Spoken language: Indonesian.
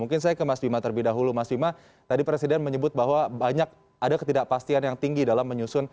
mungkin saya ke mas bima terlebih dahulu mas bima tadi presiden menyebut bahwa banyak ada ketidakpastian yang tinggi dalam menyusun ruapbn tahun dua ribu dua puluh dua